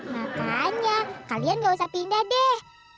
makanya kalian gak usah pindah deh